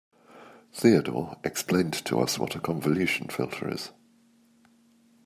Theodore explained to us what a convolution filter is.